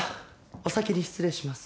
お先に失礼します。